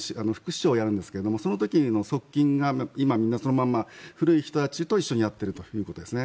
市長をやるんですがその時の側近が今、そのまま古い人たちと一緒にやっているということです。